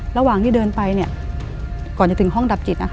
ระหว่างที่เดินไปเนี่ยก่อนจะถึงห้องดับจิตนะคะ